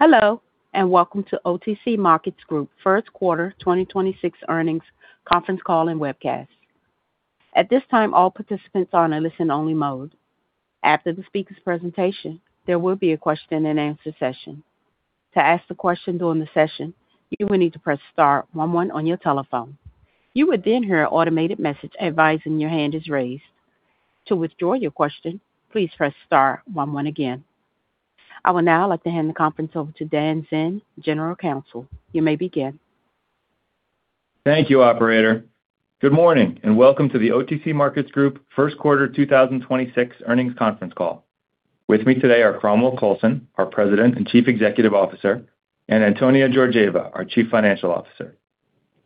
Hello, welcome to OTC Markets Group first quarter 2026 earnings conference call and webcast. At this time, all participants are in a listen-only mode. After the speaker's presentation, there will be a question-and-answer session. To ask the question during the session, you will need to press star one one on your telephone. You would hear an automated message advising your hand is raised. To withdraw your question, please press star one one again. I would now like to hand the conference over to Dan Zinn, General Counsel. You may begin. Thank you, operator. Good morning, welcome to the OTC Markets Group first quarter 2026 earnings conference call. With me today are Cromwell Coulson, our President and Chief Executive Officer, and Antonia Georgieva, our Chief Financial Officer.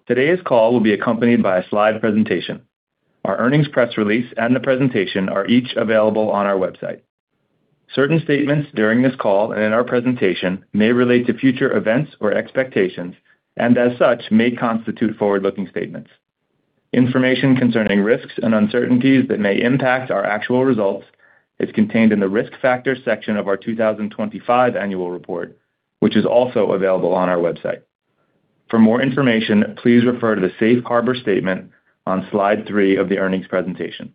Today's call will be accompanied by a slide presentation. Our earnings press release and the presentation are each available on our website. Certain statements during this call and in our presentation may relate to future events or expectations and, as such, may constitute forward-looking statements. Information concerning risks and uncertainties that may impact our actual results is contained in the Risk Factors section of our 2025 annual report, which is also available on our website. For more information, please refer to the Safe Harbor statement on slide three of the earnings presentation.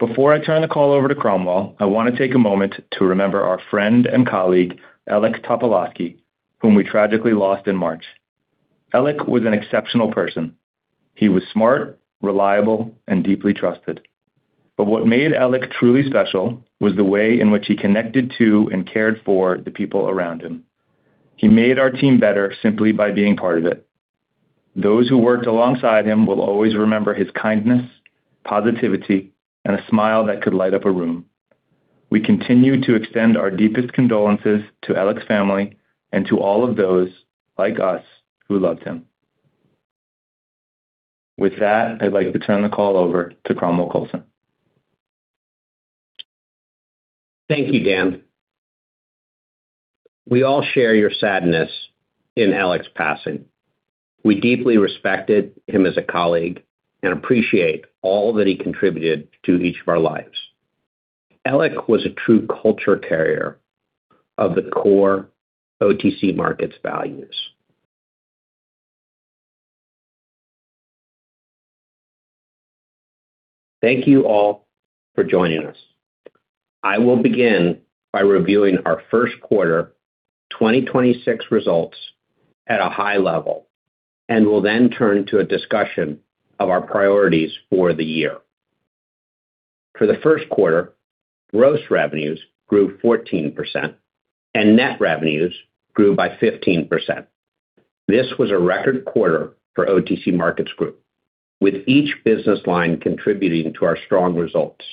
Before I turn the call over to Cromwell, I want to take a moment to remember our friend and colleague, Elik Topolosky, whom we tragically lost in March. Elik was an exceptional person. He was smart, reliable, and deeply trusted. What made Elik truly special was the way in which he connected to and cared for the people around him. He made our team better simply by being part of it. Those who worked alongside him will always remember his kindness, positivity, and a smile that could light up a room. We continue to extend our deepest condolences to Elik's family and to all of those, like us, who loved him. With that, I'd like to turn the call over to Cromwell Coulson. Thank you, Dan. We all share your sadness in Elik's passing. We deeply respected him as a colleague and appreciate all that he contributed to each of our lives. Elik was a true culture carrier of the core OTC Markets values. Thank you all for joining us. I will begin by reviewing our first quarter 2026 results at a high level and will then turn to a discussion of our priorities for the year. For the first quarter, gross revenues grew 14% and net revenues grew by 15%. This was a record quarter for OTC Markets Group, with each business line contributing to our strong results.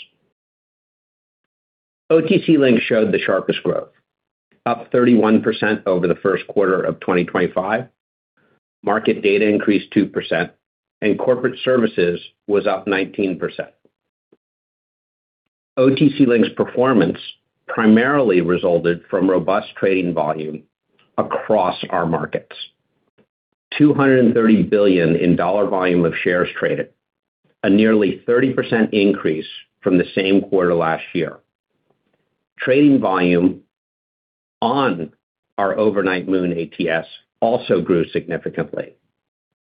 OTC Link showed the sharpest growth, up 31% over the first quarter of 2025. Market data increased 2% and corporate services was up 19%. OTC Link's performance primarily resulted from robust trading volume across our markets. $230 billion in dollar volume of shares traded, a nearly 30% increase from the same quarter last year. Trading volume on our overnight MOON ATS also grew significantly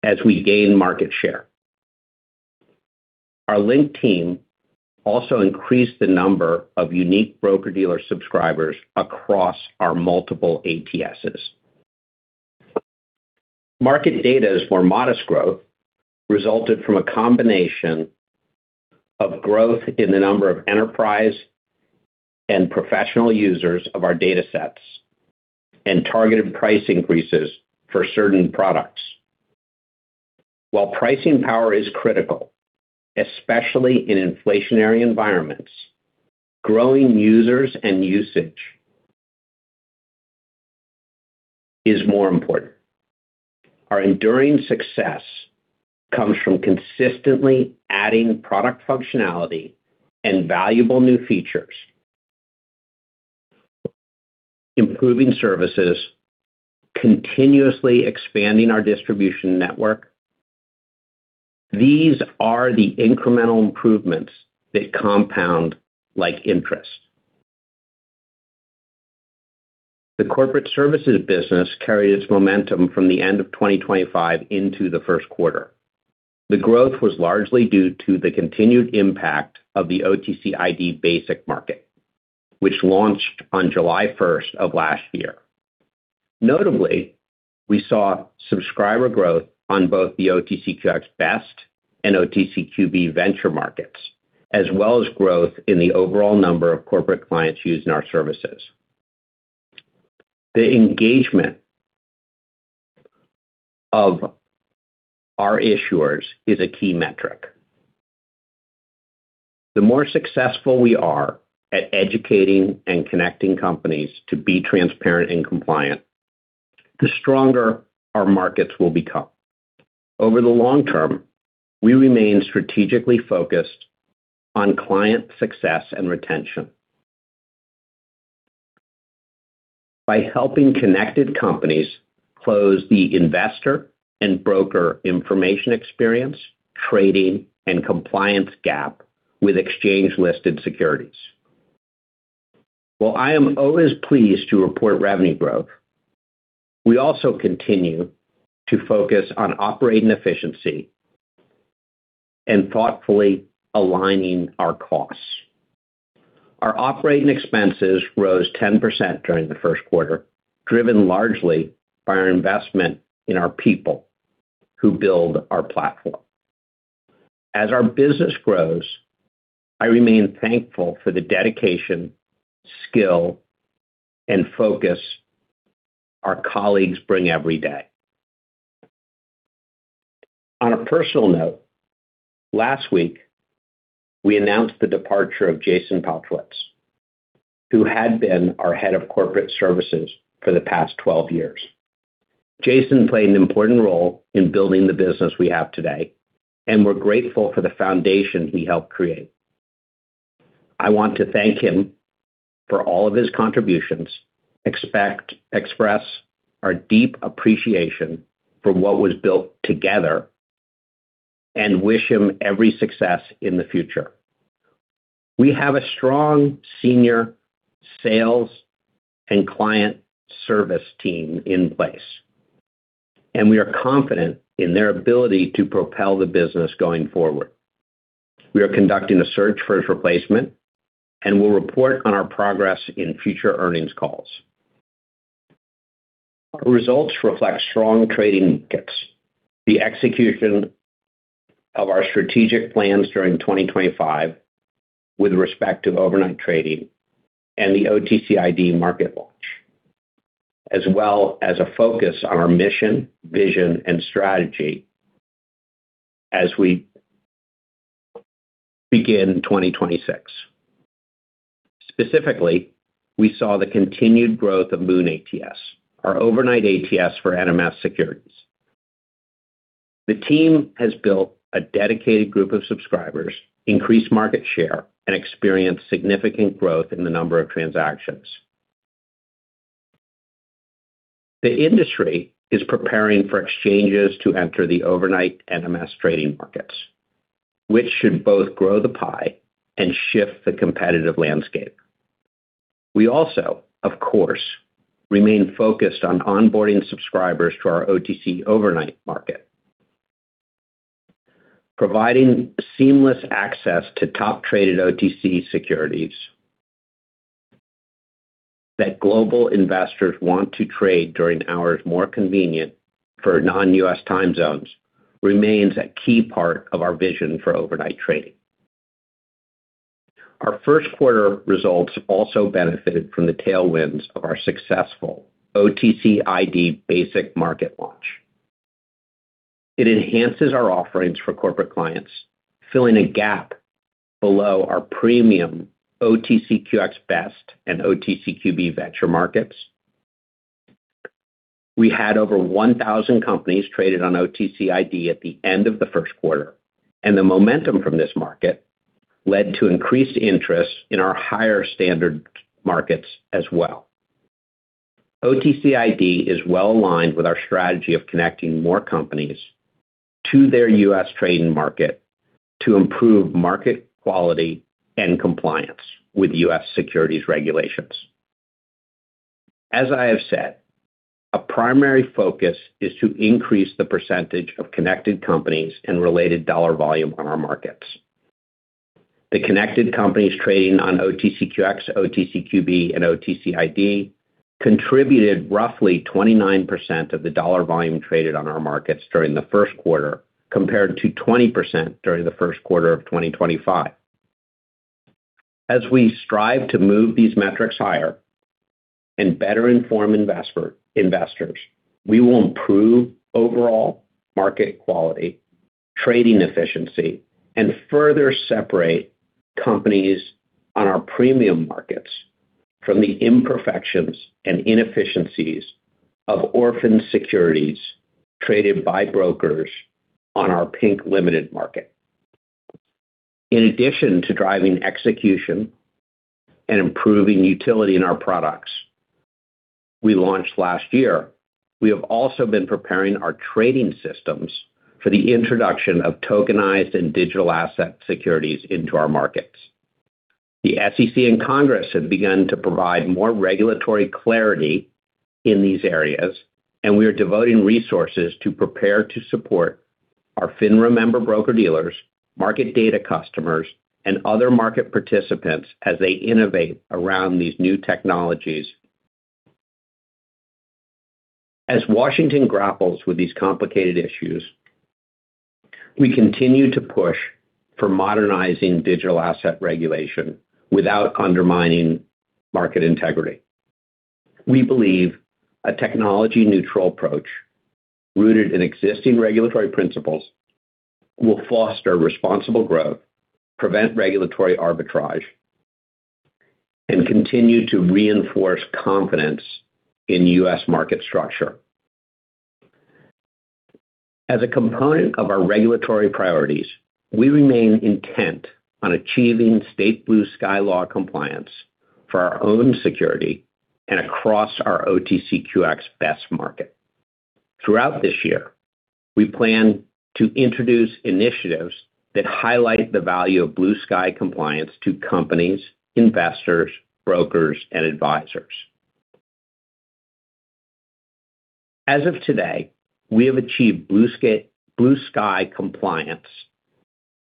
as we gain market share. Our OTC Link team also increased the number of unique broker-dealer subscribers across our multiple ATSs. Market data's more modest growth resulted from a combination of growth in the number of enterprise and professional users of our data sets and targeted price increases for certain products. While pricing power is critical, especially in inflationary environments, growing users and usage is more important. Our enduring success comes from consistently adding product functionality and valuable new features, improving services, continuously expanding our distribution network. These are the incremental improvements that compound like interest. The Corporate Services business carried its momentum from the end of 2025 into the first quarter. The growth was largely due to the continued impact of the OTCID Basic Market, which launched on July 1st of last year. Notably, we saw subscriber growth on both the OTCQX Best and OTCQB Venture Markets, as well as growth in the overall number of corporate clients using our services. The engagement of our issuers is a key metric. The more successful we are at educating and connecting companies to be transparent and compliant, the stronger our markets will become. Over the long term, we remain strategically focused on client success and retention. By helping connected companies close the investor and broker information experience, trading and compliance gap with exchange-listed securities. While I am always pleased to report revenue growth, we also continue to focus on operating efficiency and thoughtfully aligning our costs. Our operating expenses rose 10% during the first quarter, driven largely by our investment in our people who build our platform. As our business grows, I remain thankful for the dedication, skill, and focus our colleagues bring every day. On a personal note, last week, we announced the departure of Jason Paltrowitz, who had been our Head of Corporate Services for the past 12 years. Jason played an important role in building the business we have today, and we're grateful for the foundation he helped create. I want to thank him for all of his contributions, express our deep appreciation for what was built together and wish him every success in the future. We have a strong senior sales and client service team in place, and we are confident in their ability to propel the business going forward. We are conducting a search for his replacement and will report on our progress in future earnings calls. Our results reflect strong trading markets, the execution of our strategic plans during 2025 with respect to overnight trading and the OTCID market launch, as well as a focus on our mission, vision, and strategy as we begin 2026. Specifically, we saw the continued growth of MOON ATS, our overnight ATS for NMS securities. The team has built a dedicated group of subscribers, increased market share, and experienced significant growth in the number of transactions. The industry is preparing for exchanges to enter the overnight NMS trading markets, which should both grow the pie and shift the competitive landscape. We also, of course, remain focused on onboarding subscribers to our OTC Overnight market. Providing seamless access to top-traded OTC securities that global investors want to trade during hours more convenient for non-U.S. time zones remains a key part of our vision for overnight trading. Our first quarter results also benefited from the tailwinds of our successful OTCID Basic Market launch. It enhances our offerings for corporate clients, filling a gap below our premium OTCQX Best and OTCQB Venture Markets. We had over 1,000 companies traded on OTCID at the end of the first quarter, and the momentum from this market led to increased interest in our higher standard markets as well. OTCID is well-aligned with our strategy of connecting more companies to their U.S. trading market to improve market quality and compliance with U.S. securities regulations. As I have said, a primary focus is to increase the percentage of connected companies and related dollar volume on our markets. The connected companies trading on OTCQX, OTCQB, and OTCID contributed roughly 29% of the dollar volume traded on our markets during the first quarter, compared to 20% during the first quarter of 2025. As we strive to move these metrics higher and better inform investors, we will improve overall market quality, trading efficiency, and further separate companies on our premium markets from the imperfections and inefficiencies of orphan securities traded by brokers on our Pink Limited Market. In addition to driving execution and improving utility in our products we launched last year, we have also been preparing our trading systems for the introduction of tokenized and digital asset securities into our markets. The SEC and Congress have begun to provide more regulatory clarity in these areas, and we are devoting resources to prepare to support our FINRA member broker-dealers, market data customers, and other market participants as they innovate around these new technologies. As Washington grapples with these complicated issues, we continue to push for modernizing digital asset regulation without undermining market integrity. We believe a technology-neutral approach rooted in existing regulatory principles will foster responsible growth, prevent regulatory arbitrage, and continue to reinforce confidence in U.S. market structure. As a component of our regulatory priorities, we remain intent on achieving state blue sky law compliance for our own security and across our OTCQX Best Market. Throughout this year, we plan to introduce initiatives that highlight the value of blue sky compliance to companies, investors, brokers, and advisors. As of today, we have achieved Blue Sky compliance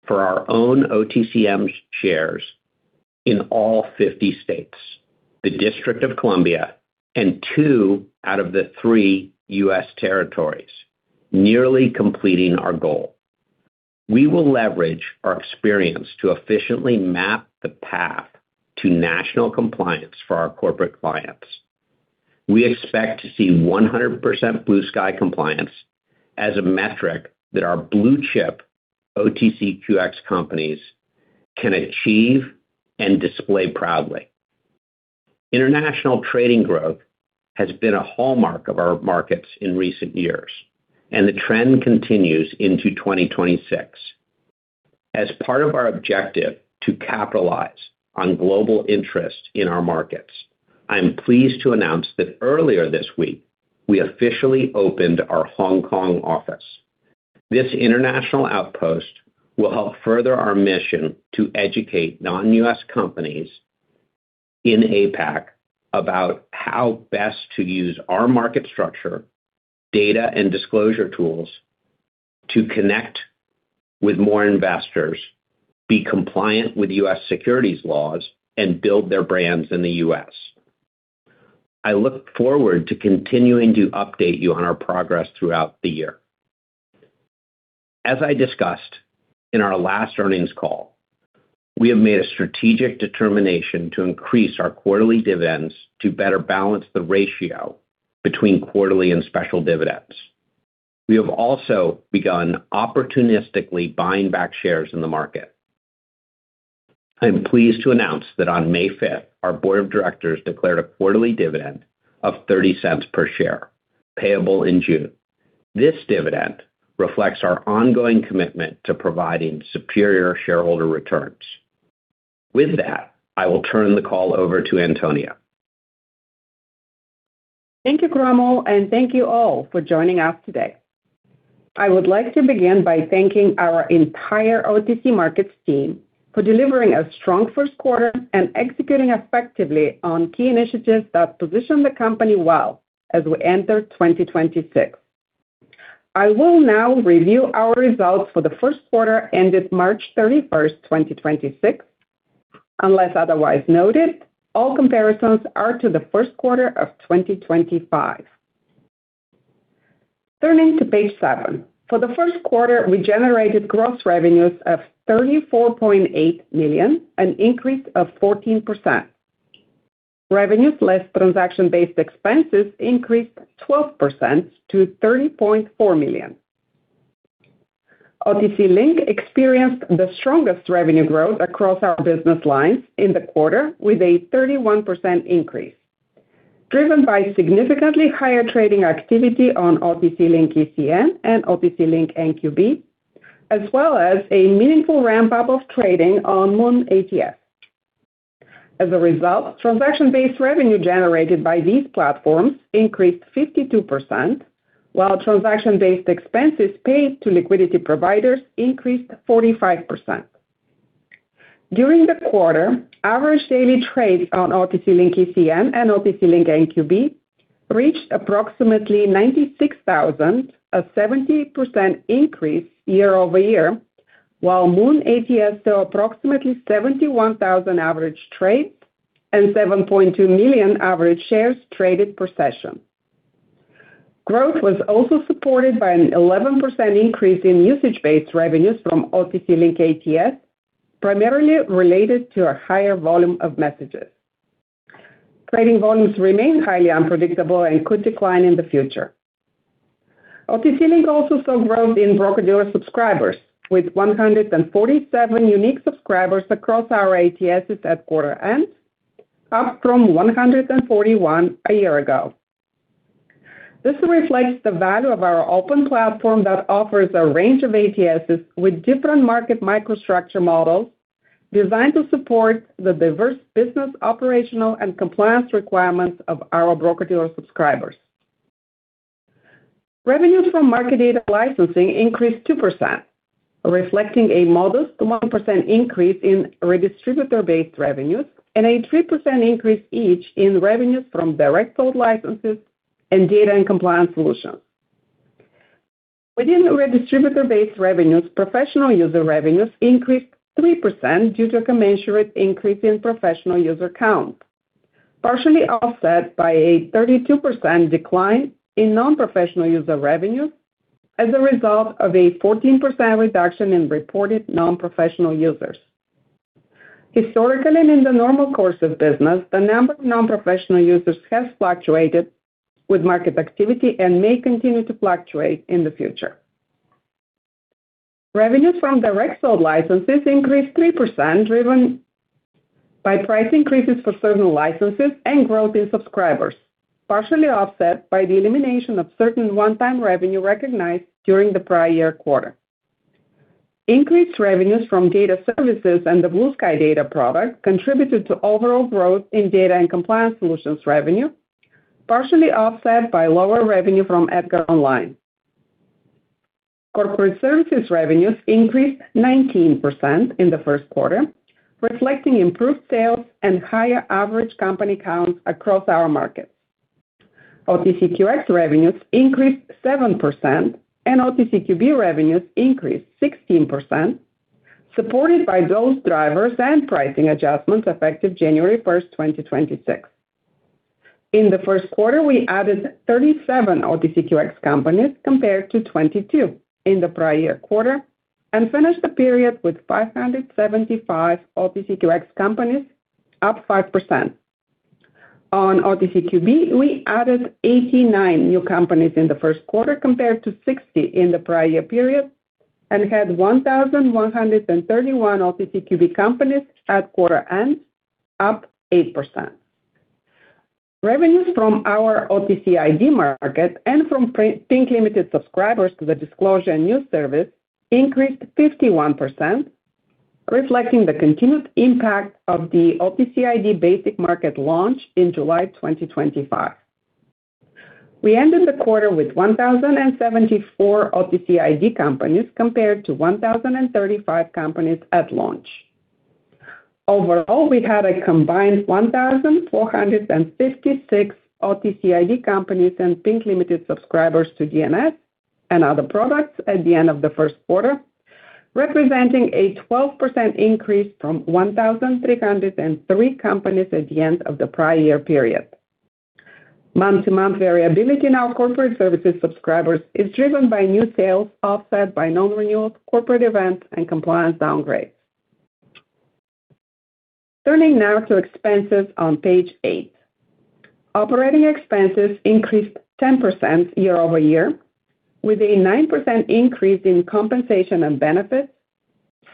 for our own OTCM shares in all 50 states, the District of Columbia, and two out of the three U.S. territories, nearly completing our goal. We will leverage our experience to efficiently map the path to national compliance for our corporate clients. We expect to see 100% Blue Sky compliance as a metric that our blue-chip OTCQX companies can achieve and display proudly. International trading growth has been a hallmark of our markets in recent years. The trend continues into 2026. As part of our objective to capitalize on global interest in our markets, I am pleased to announce that earlier this week, we officially opened our Hong Kong office. This international outpost will help further our mission to educate non-U.S. companies in APAC about how best to use our market structure, data and disclosure tools to connect with more investors, be compliant with U.S. securities laws, and build their brands in the U.S. I look forward to continuing to update you on our progress throughout the year. As I discussed in our last earnings call, we have made a strategic determination to increase our quarterly dividends to better balance the ratio between quarterly and special dividends. We have also begun opportunistically buying back shares in the market. I am pleased to announce that on May 5th, our Board of Directors declared a quarterly dividend of $0.30 per share, payable in June. This dividend reflects our ongoing commitment to providing superior shareholder returns. With that, I will turn the call over to Antonia. Thank you, Cromwell. Thank you all for joining us today. I would like to begin by thanking our entire OTC Markets team for delivering a strong first quarter and executing effectively on key initiatives that position the company well as we enter 2026. I will now review our results for the first quarter ended March 31st, 2026. Unless otherwise noted, all comparisons are to the first quarter of 2025. Turning to page seven. For the first quarter, we generated gross revenues of $34.8 million, an increase of 14%. Revenues less transaction-based expenses increased 12% to $30.4 million. OTC Link experienced the strongest revenue growth across our business lines in the quarter with a 31% increase, driven by significantly higher trading activity on OTC Link ECN and OTC Link NQB, as well as a meaningful ramp-up of trading on MOON ATS. As a result, transaction-based revenue generated by these platforms increased 52%, while transaction-based expenses paid to liquidity providers increased 45%. During the quarter, average daily trades on OTC Link ECN and OTC Link NQB reached approximately 96,000, a 78% increase year-over-year, while MOON ATS saw approximately 71,000 average trades and 7.2 million average shares traded per session. Growth was also supported by an 11% increase in usage-based revenues from OTC Link ATS, primarily related to a higher volume of messages. Trading volumes remain highly unpredictable and could decline in the future. OTC Link also saw growth in broker-dealer subscribers, with 147 unique subscribers across our ATSs at quarter-end, up from 141 a year ago. This reflects the value of our open platform that offers a range of ATSs with different market microstructure models designed to support the diverse business, operational, and compliance requirements of our broker-dealer subscribers. Revenues from Market Data Licensing increased 2%, reflecting a modest 1% increase in redistributor-based revenues and a 3% increase each in revenues from direct sold licenses and data and compliance solutions. Within redistributor-based revenues, professional user revenues increased 3% due to a commensurate increase in professional user count, partially offset by a 32% decline in non-professional user revenues as a result of a 14% reduction in reported non-professional users. Historically, and in the normal course of business, the number of non-professional users has fluctuated with market activity and may continue to fluctuate in the future. Revenues from direct sold licenses increased 3%, driven by price increases for certain licenses and growth in subscribers, partially offset by the elimination of certain one-time revenue recognized during the prior-year quarter. Increased revenues from data services and the Blue Sky data product contributed to overall growth in data and compliance solutions revenue, partially offset by lower revenue from EDGAR Online. Corporate services revenues increased 19% in the first quarter, reflecting improved sales and higher average company counts across our markets. OTCQX revenues increased 7% and OTCQB revenues increased 16%, supported by those drivers and pricing adjustments effective January 1st, 2026. In the first quarter, we added 37 OTCQX companies compared to 22 in the prior-year quarter and finished the period with 575 OTCQX companies, up 5%. On OTCQB, we added 89 new companies in the first quarter compared to 60 in the prior-year period and had 1,131 OTCQB companies at quarter-end, up 8%. Revenues from our OTCID market and from Pink Limited subscribers to the Disclosure & News Service increased 51%, reflecting the continued impact of the OTCID Basic Market launch in July 2025. We ended the quarter with 1,074 OTCID companies compared to 1,035 companies at launch. Overall, we had a combined 1,456 OTCID companies and Pink Limited subscribers to DNS and other products at the end of the first quarter, representing a 12% increase from 1,303 companies at the end of the prior year period. Month-to-month variability in our Corporate Services subscribers is driven by new sales offset by non-renewal corporate events and compliance downgrades. Turning now to expenses on page eight. Operating expenses increased 10% year-over-year with a 9% increase in compensation and benefits,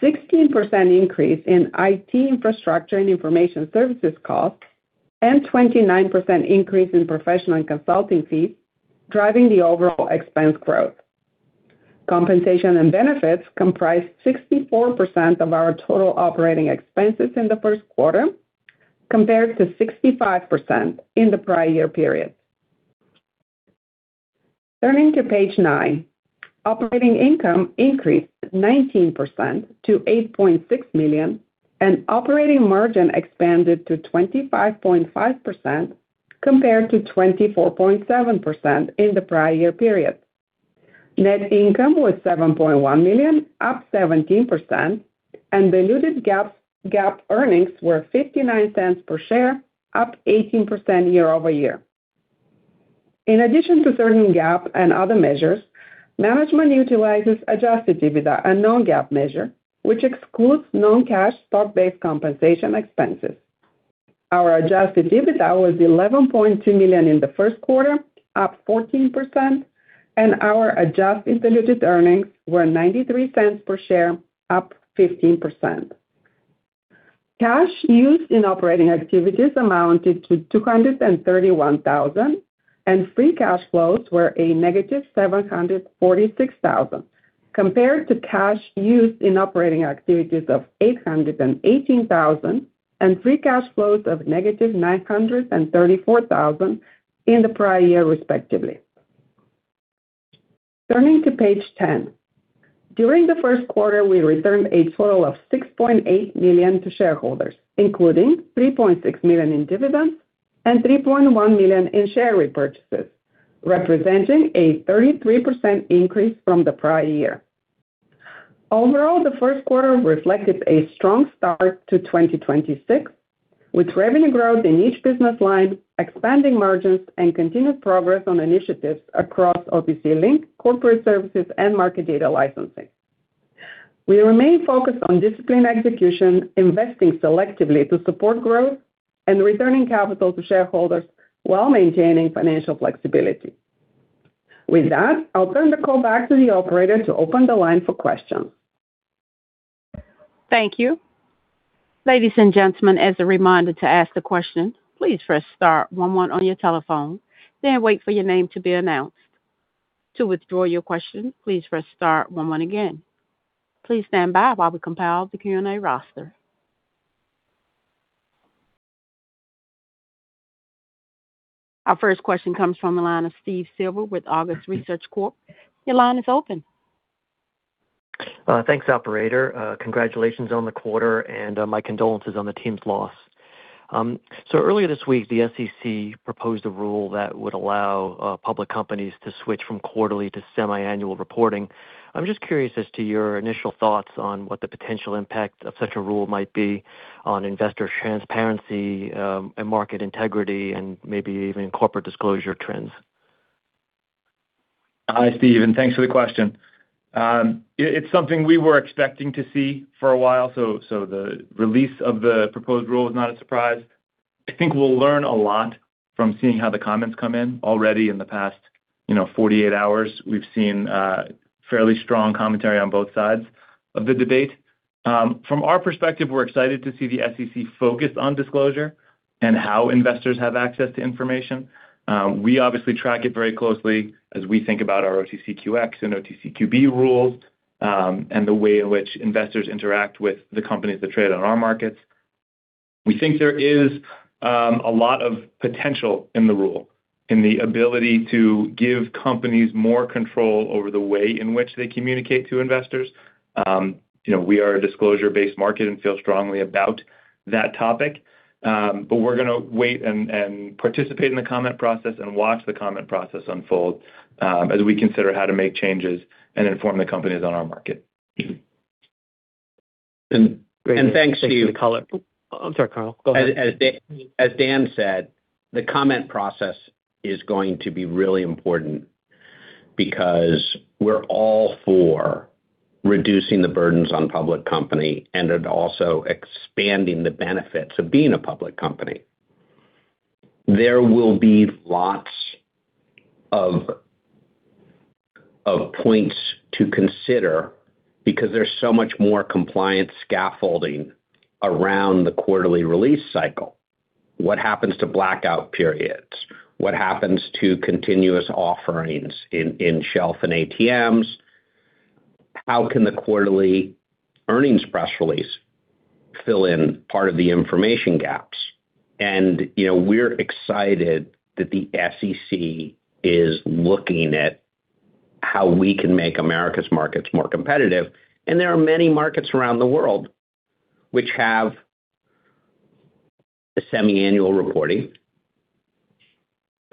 16% increase in IT infrastructure and information services costs, and 29% increase in professional and consulting fees, driving the overall expense growth. Compensation and benefits comprised 64% of our total operating expenses in the first quarter, compared to 65% in the prior-year period. Turning to page nine. Operating income increased 19% to $8.6 million, and operating margin expanded to 25.5% compared to 24.7% in the prior-year period. Net income was $7.1 million, up 17%, and diluted GAAP earnings were $0.59 per share, up 18% year-over-year. In addition to certain GAAP and other measures, management utilizes adjusted EBITDA, a non-GAAP measure, which excludes non-cash stock-based compensation expenses. Our adjusted EBITDA was $11.2 million in the first quarter, up 14%, and our adjusted diluted earnings were $0.93 per share, up 15%. Cash used in operating activities amounted to $231,000 and free cash flows were a $-746,000, compared to cash used in operating activities of $818,000 and free cash flows of $-934,000 in the prior year, respectively. Turning to page 10. During the first quarter, we returned a total of $6.8 million to shareholders, including $3.6 million in dividends and $3.1 million in share repurchases, representing a 33% increase from the prior year. Overall, the first quarter reflected a strong start to 2026, with revenue growth in each business line, expanding margins, and continued progress on initiatives across OTC Link, Corporate Services, and Market Data Licensing. We remain focused on disciplined execution, investing selectively to support growth and returning capital to shareholders while maintaining financial flexibility. With that, I'll turn the call back to the operator to open the line for questions. Thank you. Ladies and gentlemen, as a reminder to ask the question, please press star one one on your telephone, then wait for your name to be announced. To withdraw your question, please press star one one again. Please stand by while we compile the Q&A roster. Our first question comes from the line of Steve Silver with Argus Research Corp. Your line is open. Thanks, operator. Congratulations on the quarter and my condolences on the team's loss. Earlier this week, the SEC proposed a rule that would allow public companies to switch from quarterly to semi-annual reporting. I'm just curious as to your initial thoughts on what the potential impact of such a rule might be on investor transparency, and market integrity and maybe even corporate disclosure trends. Hi, Steve, thanks for the question. It's something we were expecting to see for a while, the release of the proposed rule is not a surprise. I think we'll learn a lot from seeing how the comments come in. Already in the past, you know, 48 hours, we've seen fairly strong commentary on both sides of the debate. From our perspective, we're excited to see the SEC focus on disclosure and how investors have access to information. We obviously track it very closely as we think about our OTCQX and OTCQB rules, and the way in which investors interact with the companies that trade on our markets. We think there is a lot of potential in the rule, in the ability to give companies more control over the way in which they communicate to investors. You know, we are a disclosure-based market and feel strongly about that topic. We're gonna wait and participate in the comment process and watch the comment process unfold, as we consider how to make changes and inform the companies on our market. And thanks to- Thanks for the color. Oh, I'm sorry, Coul. Go ahead. As Dan said, the comment process is going to be really important because we're all for reducing the burdens on public company and it also expanding the benefits of being a public company. There will be lots of points to consider because there's so much more compliance scaffolding around the quarterly release cycle. What happens to blackout periods? What happens to continuous offerings in shelf and ATMs? How can the quarterly earnings press release fill in part of the information gaps? You know, we're excited that the SEC is looking at how we can make America's markets more competitive. There are many markets around the world which have a semi-annual reporting.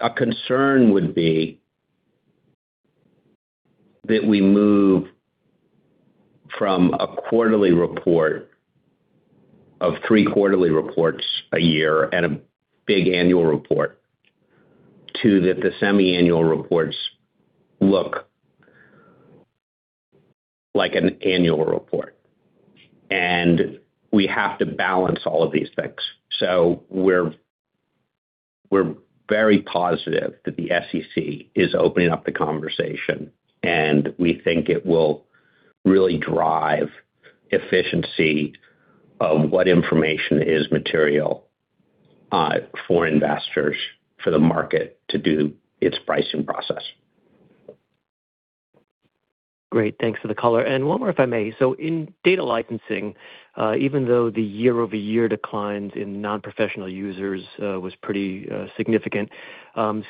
A concern would be that we move from a quarterly report of three quarterly reports a year and a big annual report to that the semi-annual reports look like an annual report. We have to balance all of these things. We're very positive that the SEC is opening up the conversation, and we think it will really drive efficiency of what information is material for investors for the market to do its pricing process. Great. Thanks for the color. One more, if I may. In data licensing, even though the year-over-year declines in non-professional users, was pretty significant,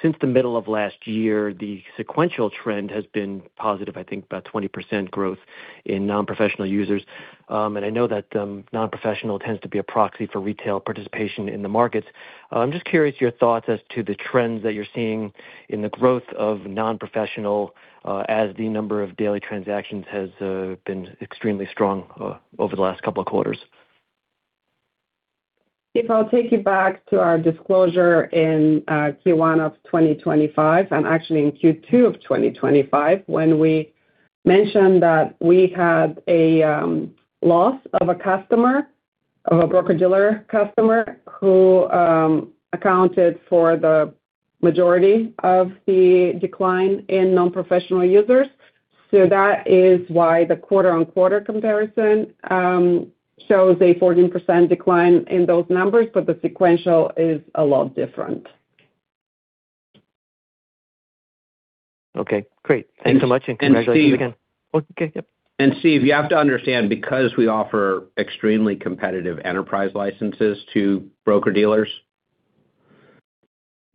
since the middle of last year, the sequential trend has been positive, I think about 20% growth in non-professional users. I know that non-professional tends to be a proxy for retail participation in the markets. I'm just curious your thoughts as to the trends that you're seeing in the growth of non-professional, as the number of daily transactions has been extremely strong, over the last couple of quarters. If I'll take you back to our disclosure in Q1 of 2025, and actually in Q2 of 2025, when we mentioned that we had a loss of a customer, of a broker-dealer customer who accounted for the majority of the decline in non-professional users. That is why the quarter-on-quarter comparison shows a 14% decline in those numbers, but the sequential is a lot different. Okay, great. Thanks so much, and congratulations again. And Steve- Oh, okay. Yep. Steve, you have to understand, because we offer extremely competitive enterprise licenses to broker-dealers,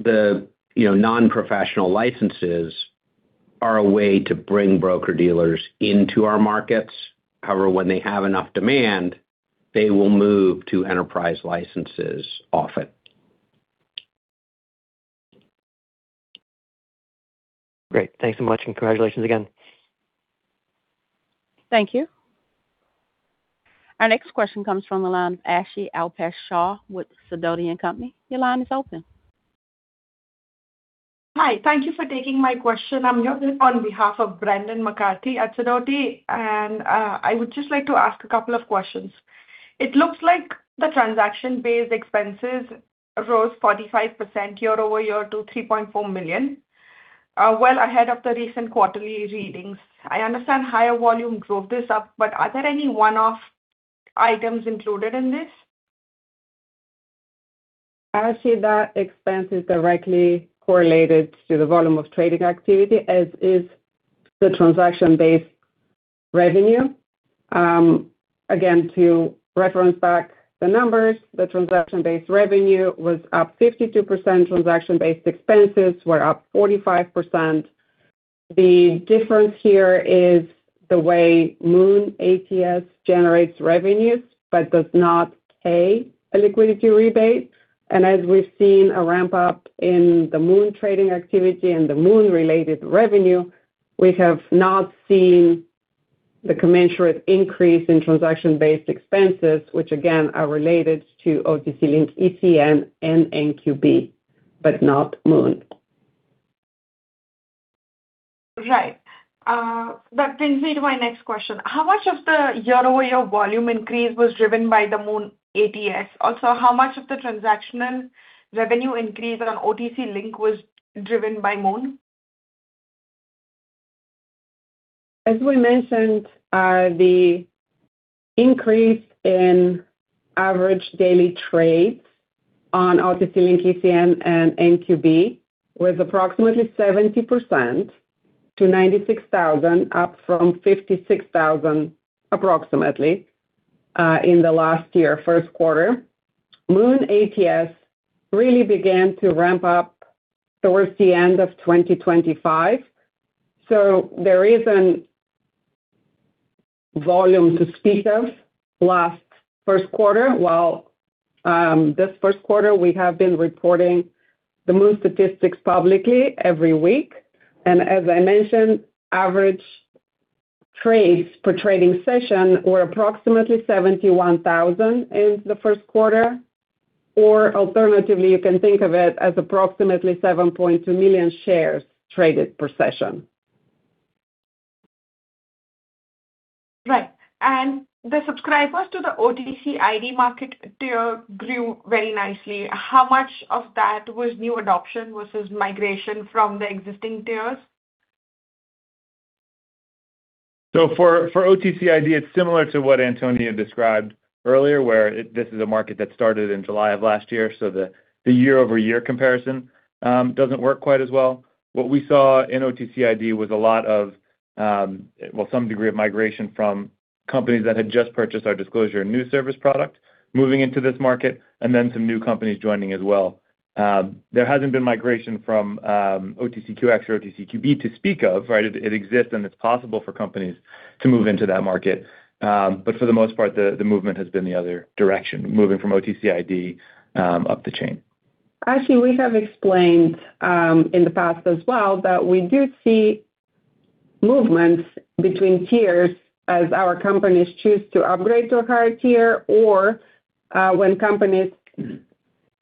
the, you know, non-professional licenses are a way to bring broker-dealers into our markets. However, when they have enough demand, they will move to enterprise licenses often. Great. Thanks so much, and congratulations again. Thank you. Our next question comes from the line of Aashi Shah with Sidoti & Company. Your line is open. Hi. Thank you for taking my question. I'm here on behalf of Brendan McCarthy at Sidoti, I would just like to ask a couple of questions. It looks like the transaction-based expenses rose 45% year-over-year to $3.4 million, well ahead of the recent quarterly readings. I understand higher volume drove this up, are there any one-off items included in this? Aashi, that expense is directly correlated to the volume of trading activity, as is the transaction-based revenue. Again, to reference back the numbers, the transaction-based revenue was up 52%, transaction-based expenses were up 45%. The difference here is the way MOON ATS generates revenues, but does not pay a liquidity rebate. As we've seen a ramp-up in the MOON trading activity and the MOON-related revenue, we have not seen the commensurate increase in transaction-based expenses, which again, are related to OTC Link, ECN, and NQB, but not MOON. Right. That brings me to my next question. How much of the year-over-year volume increase was driven by the MOON ATS? How much of the transactional revenue increase on OTC Link was driven by MOON? As we mentioned, the increase in average daily trades on OTC Link, ECN, and NQB was approximately 70% to 96,000, up from 56,000 approximately, in the last year first quarter. MOON ATS really began to ramp up towards the end of 2025. There isn't volume to speak of last first quarter, while this first quarter we have been reporting the MOON statistics publicly every week. As I mentioned, average trades per trading session were approximately 71,000 in the first quarter. Alternatively, you can think of it as approximately 7.2 million shares traded per session. Right. The subscribers to the OTCID market tier grew very nicely. How much of that was new adoption versus migration from the existing tiers? For OTCID, it's similar to what Antonia described earlier, where this is a market that started in July of last year. The year-over-year comparison doesn't work quite as well. What we saw in OTCID was a lot of, well, some degree of migration from companies that had just purchased our Disclosure & News Service product moving into this market and then some new companies joining as well. There hasn't been migration from OTCQX or OTCQB to speak of, right? It exists and it's possible for companies to move into that market. For the most part, the movement has been the other direction, moving from OTCID up the chain. Actually, we have explained in the past as well that we do see movements between tiers as our companies choose to upgrade to a higher tier or when companies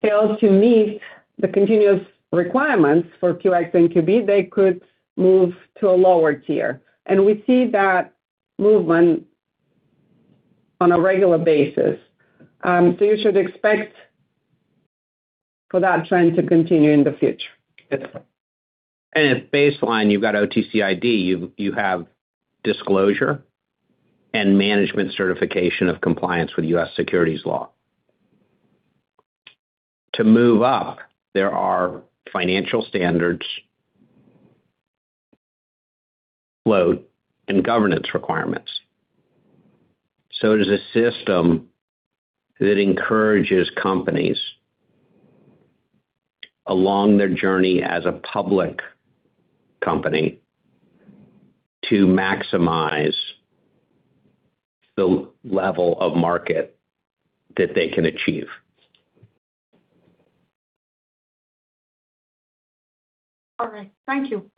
fail to meet the continuous requirements for QX and QB, they could move to a lower tier. We see that movement on a regular basis. You should expect for that trend to continue in the future. At baseline, you've got OTCID, you have disclosure and management certification of compliance with U.S. securities law. To move up, there are financial standards load and governance requirements. It is a system that encourages companies along their journey as a public company to maximize the level of market that they can achieve. All right. Thank you.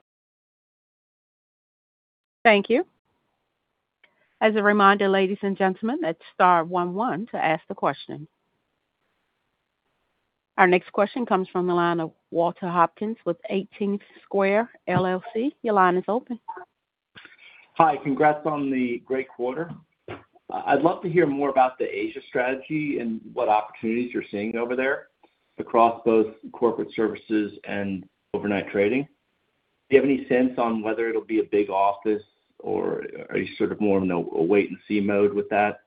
Thank you. As a reminder, ladies and gentlemen, it's star one one to ask the question. Our next question comes from the line of Walter Hopkins with 18th Square, LLC. Your line is open. Hi. Congrats on the great quarter. I'd love to hear more about the Asia strategy and what opportunities you're seeing over there across both Corporate Services and overnight trading. Do you have any sense on whether it'll be a big office or are you sort of more in a wait-and-see mode with that?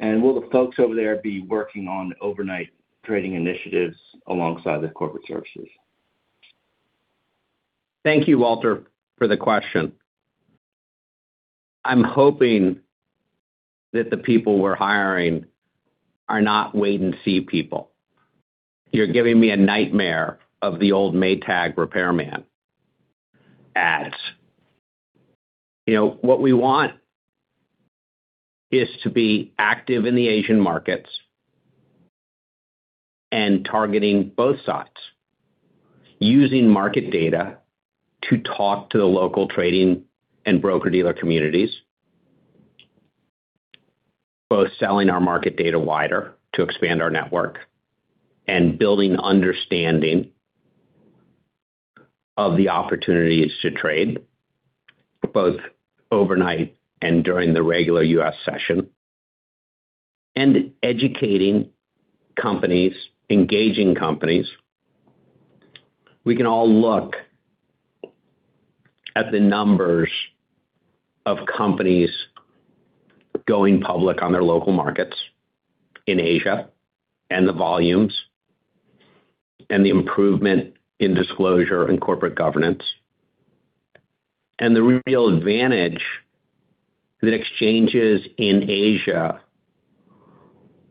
Will the folks over there be working on overnight trading initiatives alongside the Corporate Services? Thank you, Walter, for the question. I'm hoping that the people we're hiring are not wait-and-see people. You're giving me a nightmare of the old Maytag repairman ads. You know, what we want is to be active in the Asian markets and targeting both sides, using market data to talk to the local trading and broker-dealer communities, both selling our market data wider to expand our network and building understanding of the opportunities to trade, both overnight and during the regular U.S. session, and educating companies, engaging companies. We can all look at the numbers of companies going public on their local markets in Asia and the volumes and the improvement in disclosure and corporate governance. The real advantage that exchanges in Asia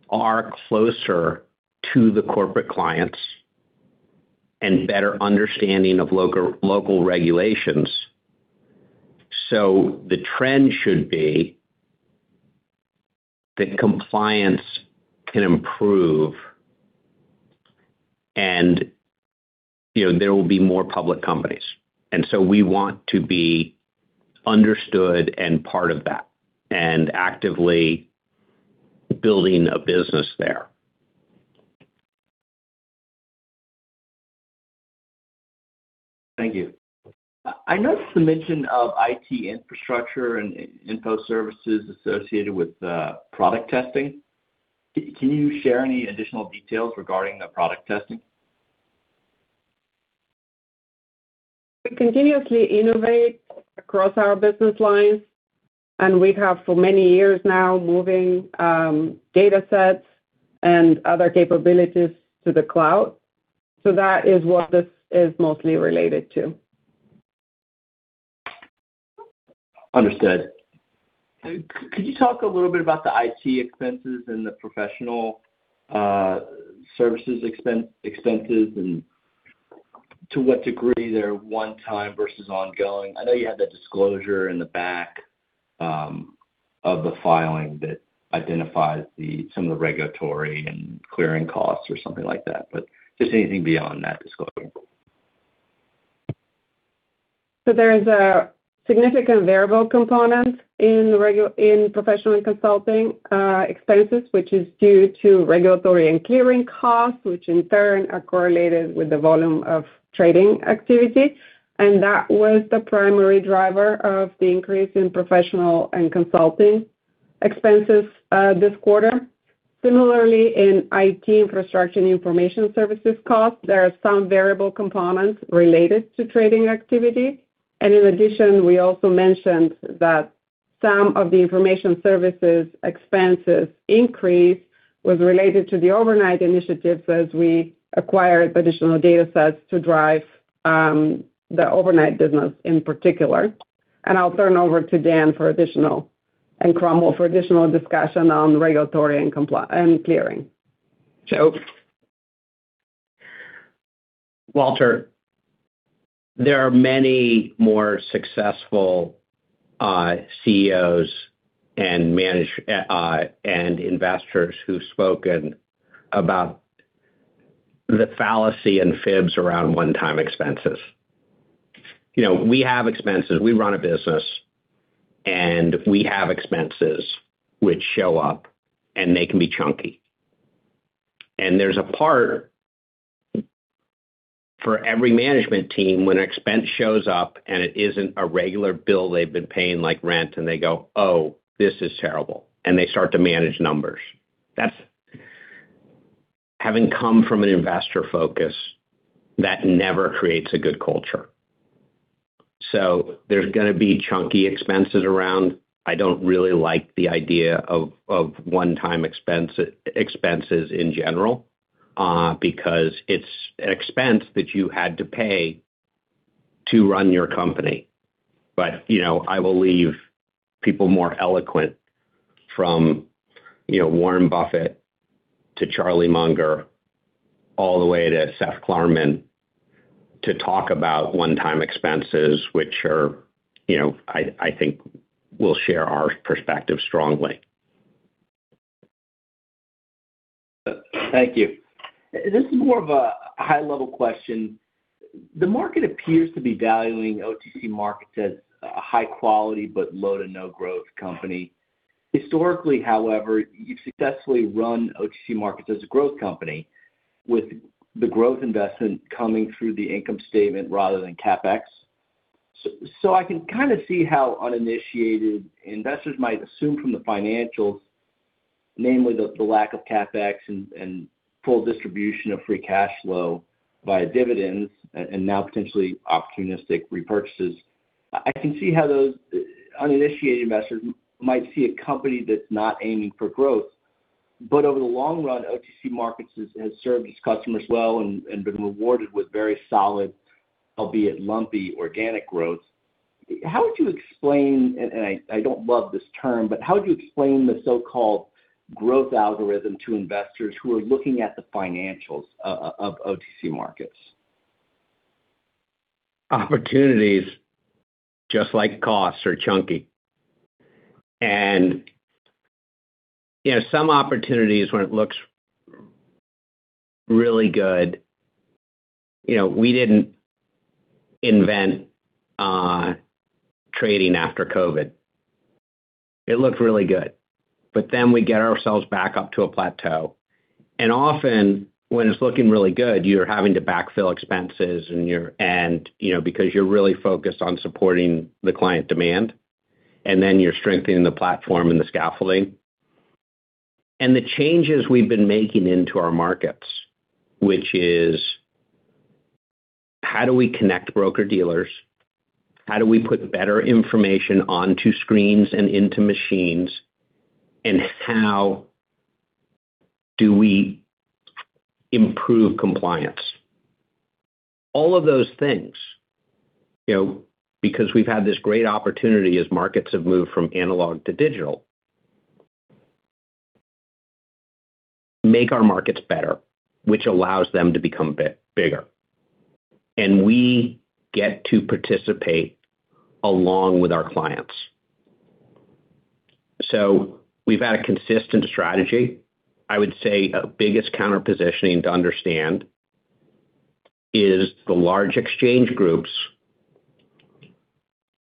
are closer to the corporate clients and better understanding of local regulations. The trend should be that compliance can improve and, you know, there will be more public companies. We want to be understood and part of that, and actively building a business there. Thank you. I noticed the mention of IT infrastructure and info services associated with product testing. Can you share any additional details regarding the product testing? We continuously innovate across our business lines, and we have for many years now moving, data sets and other capabilities to the cloud. That is what this is mostly related to. Understood. Could you talk a little bit about the IT expenses and the professional services expenses, and to what degree they're one-time versus ongoing? I know you had that disclosure in the back of the filing that identifies some of the regulatory and clearing costs or something like that, but just anything beyond that disclosure. There is a significant variable component in professional and consulting expenses, which is due to regulatory and clearing costs, which in turn are correlated with the volume of trading activity. That was the primary driver of the increase in professional and consulting expenses this quarter. Similarly, in IT infrastructure and information services costs, there are some variable components related to trading activity. In addition, we also mentioned that some of the information services expenses increase was related to the overnight initiatives as we acquired additional data sets to drive the overnight business in particular. I'll turn over to Dan for additional and Cromwell for additional discussion on regulatory and clearing. Walter, there are many more successful CEOs and investors who've spoken about the fallacy and fibs around one-time expenses. You know, we have expenses. We run a business, and we have expenses which show up, and they can be chunky. There's a part for every management team when an expense shows up and it isn't a regular bill they've been paying, like rent, and they go, "Oh, this is terrible," and they start to manage numbers. Having come from an investor focus, that never creates a good culture. There's gonna be chunky expenses around. I don't really like the idea of one-time expenses in general, because it's an expense that you had to pay to run your company. You know, I will leave people more eloquent from, you know, Warren Buffett to Charlie Munger all the way to Seth Klarman to talk about one-time expenses, which are, you know, I think will share our perspective strongly. Thank you. This is more of a high-level question. The market appears to be valuing OTC Markets Group as a high quality but low to no growth company. Historically, however, you've successfully run OTC Markets Group as a growth company with the growth investment coming through the income statement rather than CapEx. I can kind of see how uninitiated investors might assume from the financials, namely the lack of CapEx and full distribution of free cash flow via dividends and now potentially opportunistic repurchases. I can see how those uninitiated investors might see a company that's not aiming for growth. Over the long run, OTC Markets Group has served its customers well and been rewarded with very solid, albeit lumpy, organic growth. How would you explain, and I don't love this term, but how would you explain the so-called growth algorithm to investors who are looking at the financials of OTC Markets? Opportunities, just like costs, are chunky. You know, some opportunities when it looks really good, you know, we didn't invent trading after COVID. It looked really good. We get ourselves back up to a plateau. Often, when it's looking really good, you're having to backfill expenses, and you know, because you're really focused on supporting the client demand, and then you're strengthening the platform and the scaffolding. The changes we've been making into our markets, which is how do we connect broker-dealers, how do we put better information onto screens and into machines, and how do we improve compliance? All of those things, you know, because we've had this great opportunity as markets have moved from analog to digital, make our markets better, which allows them to become bigger, and we get to participate along with our clients. We've had a consistent strategy. I would say our biggest counter-positioning to understand is the large exchange groups.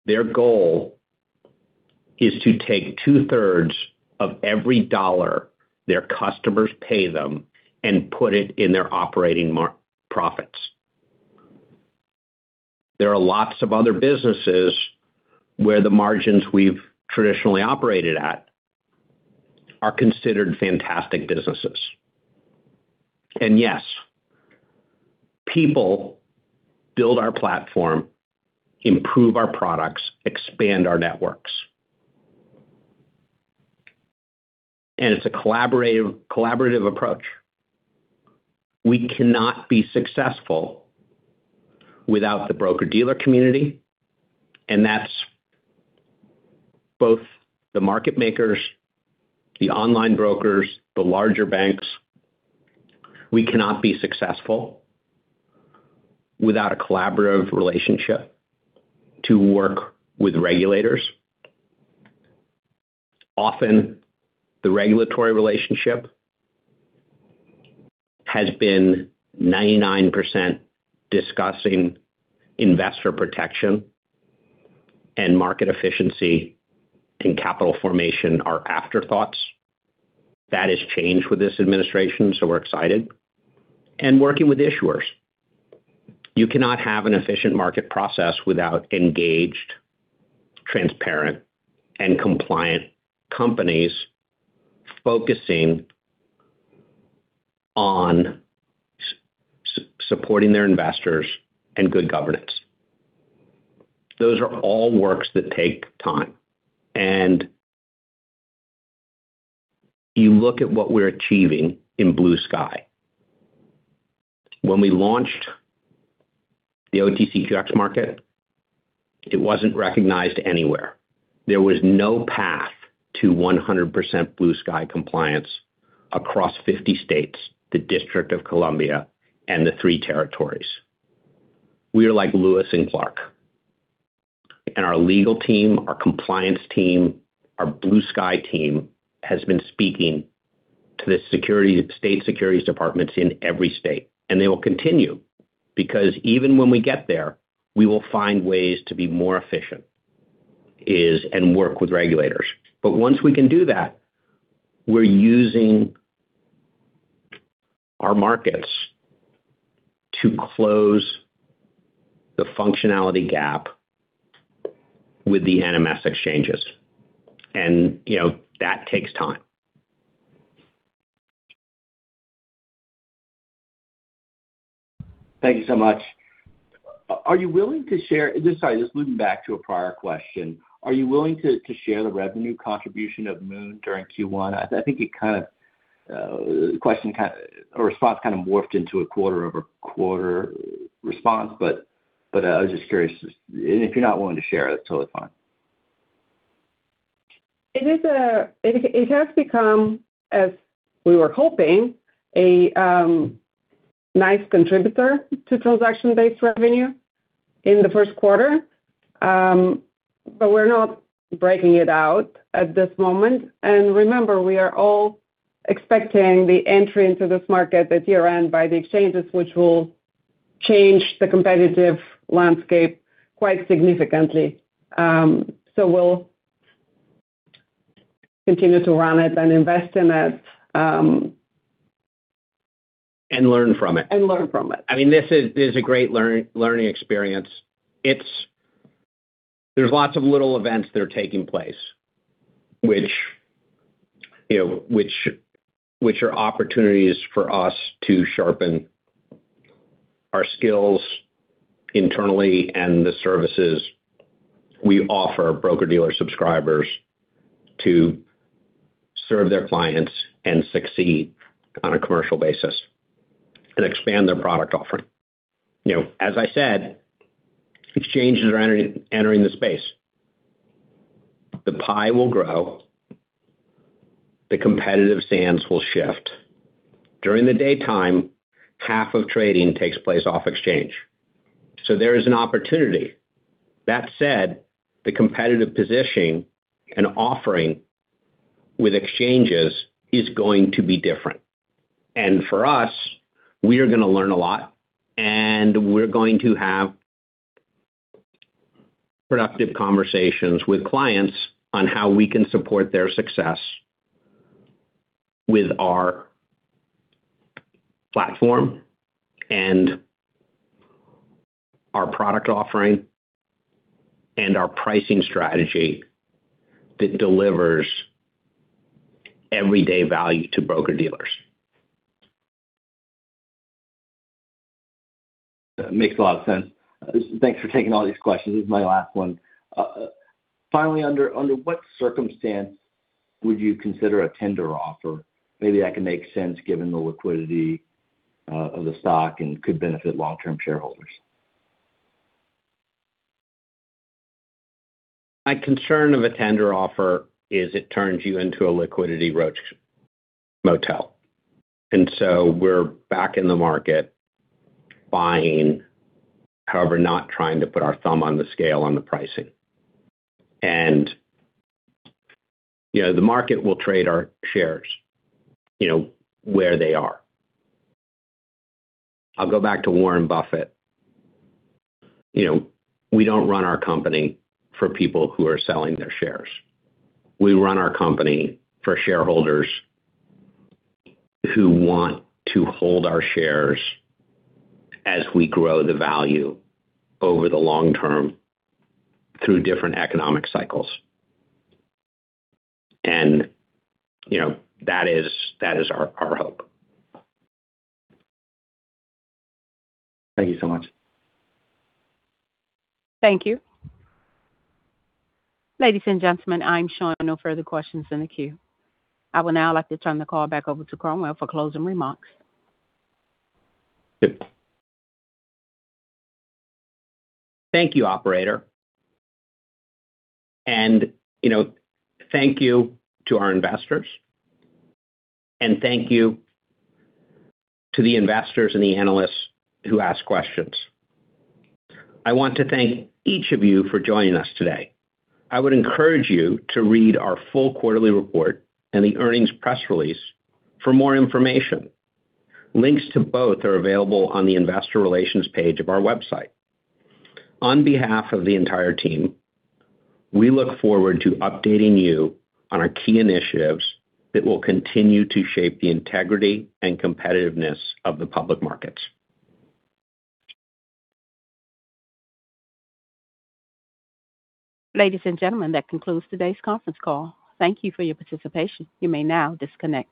Their goal is to take 2/3 of every dollar their customers pay them and put it in their operating profits. There are lots of other businesses where the margins we've traditionally operated at are considered fantastic businesses. Yes, people build our platform, improve our products, expand our networks. It's a collaborative approach. We cannot be successful without the broker-dealer community, and that's both the market makers, the online brokers, the larger banks. We cannot be successful without a collaborative relationship to work with regulators. Often, the regulatory relationship has been 99% discussing investor protection and market efficiency and capital formation are afterthoughts. That has changed with this administration, so we're excited. Working with issuers. You cannot have an efficient market process without engaged, transparent, and compliant companies focusing on supporting their investors and good governance. Those are all works that take time. You look at what we're achieving in blue sky. When we launched the OTCQX market, it wasn't recognized anywhere. There was no path to 100% Blue Sky compliance across 50 states, the District of Columbia and the three territories. We are like Lewis and Clark, and our legal team, our compliance team, our Blue Sky team has been speaking to the state securities departments in every state, and they will continue, because even when we get there, we will find ways to be more efficient is and work with regulators. Once we can do that, we're using our markets to close the functionality gap with the NMS exchanges. You know, that takes time. Thank you so much. Sorry, just looping back to a prior question. Are you willing to share the revenue contribution of MOON during Q1? I think it kind of response kind of morphed into a quarter-over-quarter response, but I was just curious. If you're not willing to share, that's totally fine. It has become, as we were hoping, a nice contributor to transaction-based revenue in the first quarter. But we're not breaking it out at this moment. Remember, we are all expecting the entry into this market at year-end by the exchanges, which will change the competitive landscape quite significantly. We'll continue to run it and invest in it. Learn from it. Learn from it. I mean, this is a great learning experience. There's lots of little events that are taking place, which, you know, which are opportunities for us to sharpen our skills internally and the services we offer broker-dealer subscribers to serve their clients and succeed on a commercial basis and expand their product offering. You know, as I said, exchanges are entering the space. The pie will grow, the competitive sands will shift. During the daytime, half of trading takes place off exchange. There is an opportunity. That said, the competitive positioning and offering with exchanges is going to be different. For us, we are going to learn a lot, and we're going to have productive conversations with clients on how we can support their success with our platform and our product offering and our pricing strategy that delivers everyday value to broker-dealers. Makes a lot of sense. Thanks for taking all these questions. This is my last one. Under what circumstance would you consider a tender offer? Maybe that can make sense given the liquidity of the stock and could benefit long-term shareholders. My concern of a tender offer is it turns you into a liquidity roach motel. We're back in the market buying, however, not trying to put our thumb on the scale on the pricing. You know, the market will trade our shares, you know, where they are. I'll go back to Warren Buffett. You know, we don't run our company for people who are selling their shares. We run our company for shareholders who want to hold our shares as we grow the value over the long term through different economic cycles. You know, that is our hope. Thank you so much. Thank you. Ladies and gentlemen, I'm showing no further questions in the queue. I would now like to turn the call back over to Cromwell for closing remarks. Thank you, operator. You know, thank you to our investors, and thank you to the investors and the analysts who asked questions. I want to thank each of you for joining us today. I would encourage you to read our full-quarterly report and the earnings press release for more information. Links to both are available on the Investor Relations page of our website. On behalf of the entire team, we look forward to updating you on our key initiatives that will continue to shape the integrity and competitiveness of the public markets. Ladies and gentlemen, that concludes today's conference call. Thank you for your participation. You may now disconnect.